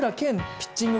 ピッチング